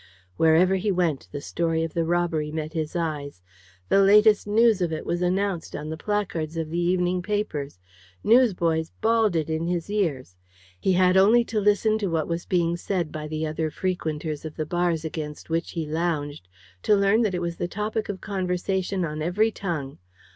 Wherever he went, the story of the robbery met his eyes. The latest news of it was announced on the placards of the evening papers. Newsboys bawled it in his ears. He had only to listen to what was being said by the other frequenters of the bars against which he lounged to learn that it was the topic of conversation on every tongue.